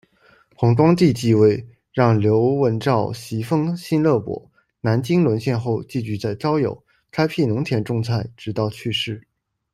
弘光帝即位，让刘文照袭封新乐伯，南京沦陷后寄居在高邮，开辟农田种菜直到去世。